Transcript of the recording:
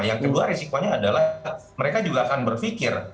yang kedua risikonya adalah mereka juga akan berpikir